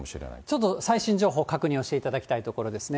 ちょっと最新情報確認していただきたいところですね。